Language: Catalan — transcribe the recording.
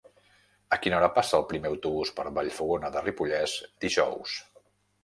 A quina hora passa el primer autobús per Vallfogona de Ripollès dijous?